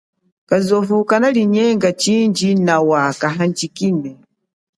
Kazovu kanalinyenga nawa kahandjikile.